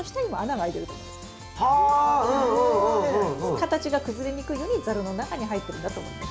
形が崩れにくいようにザルの中に入ってるんだと思います。